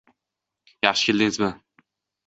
Yaxshi keldingizmi?